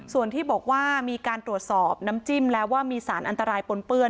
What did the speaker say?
ส่วนที่บอกว่ามีการตรวจสอบน้ำจิ้มแล้วว่ามีสารอันตรายปนเปื้อน